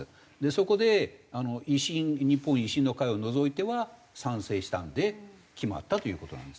そこで維新日本維新の会を除いては賛成したんで決まったという事なんですね。